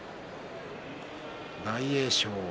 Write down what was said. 大栄翔